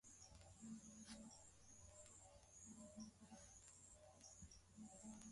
silaha Lakini polepole Waarabu wahamiaji wakaelekea kusini